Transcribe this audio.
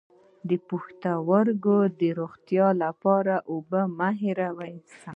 د پښتورګو د روغتیا لپاره اوبه مه هیروئ